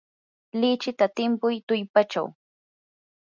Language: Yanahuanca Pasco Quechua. lichita timpuy tullpachaw.